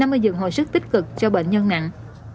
năm mươi giường hồi sức tích cực cho bệnh nhân nặng